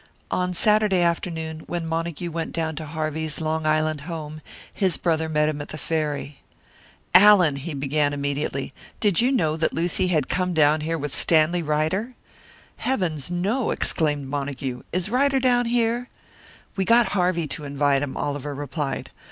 On Saturday afternoon, when Montague went down to Harvey's Long Island home, his brother met him at the ferry. "Allan," he began, immediately, "did you know that Lucy had come down here with Stanley Ryder?" "Heavens, no!" exclaimed Montague. "Is Ryder down here?" "He got Harvey to invite him," Oliver replied.